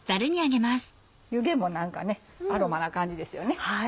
湯気も何かアロマな感じですよね。